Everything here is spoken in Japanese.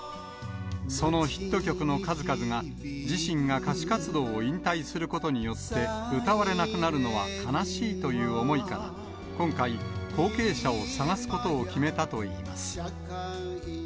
そのヒット曲の数々が、自身が歌手活動を引退することによって歌われなくなるのは悲しいという思いから、今回、後継者を探すことを決めたといいます。